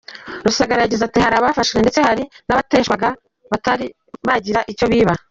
Rusagara yagize ati “Hari abafashwe ndetse hari n’abateshwaga batari bagira icyo biba”.